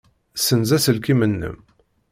Ssenz aselkim-nnem.